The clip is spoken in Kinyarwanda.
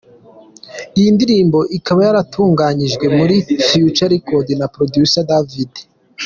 Iyi ndirimbo ikaba yaratunganyirijwe muri Future record na producer David.